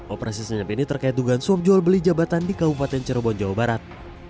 operasi senyap ini terkait dugaan suap jual beli jabatan di kabupaten cirebon jawa barat